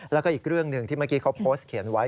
แล้วก็อีกเรื่องหนึ่งที่เมื่อกี้เขาโพสต์เขียนไว้